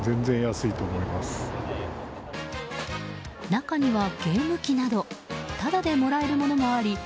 中にはゲーム機などタダでもらえるものもあり